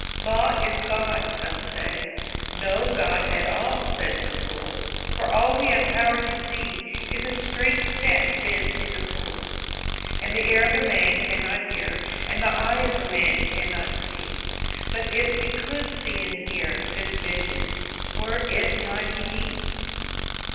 Law is God, say some: no God at all, says the fool; For all we have power to see is a straight staff bent in a pool; And the ear of man cannot hear, and the eye of man cannot see; But if we could see and hear, this Vision—were it not He?